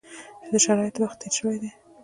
چې د شرایطو وخت تېر شوی دی.